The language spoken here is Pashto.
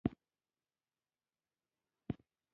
زما پنجه یې لږه کېګاږله خو ما پوست لاس ترې راکش کړو.